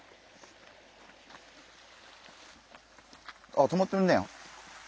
あっ止まってるね。